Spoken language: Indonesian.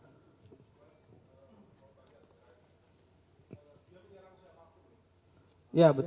atau di situ tidak bawa kegiatan